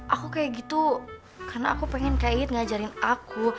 aku kayak gitu karena aku pengen kayak ngajarin aku